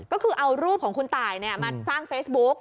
ก็คือเอารูปของคุณตายมาสร้างเฟซบุ๊ก